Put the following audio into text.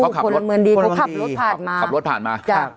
ขับรถผ่านมา